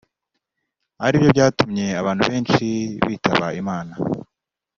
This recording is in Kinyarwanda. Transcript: aribyo byatumye abantu benshi bitaba imana